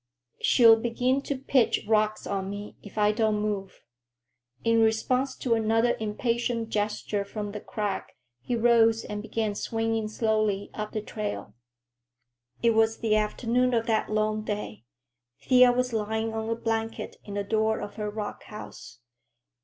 "She'll begin to pitch rocks on me if I don't move." In response to another impatient gesture from the crag, he rose and began swinging slowly up the trail. It was the afternoon of that long day. Thea was lying on a blanket in the door of her rock house.